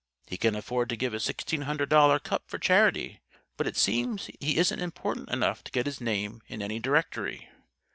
He can afford to give a sixteen hundred dollar cup for charity, but it seems he isn't important enough to get his name in any directory.